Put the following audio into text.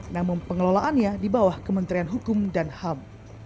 namun pengelolaannya di bawah kementerian hukum dan ham